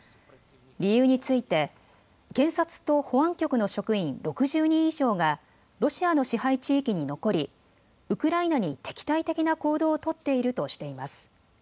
理由について検察と保安局の職員６０人以上がロシアの支配地域に残り、ウクライナに敵対的な行動を取っているとしています。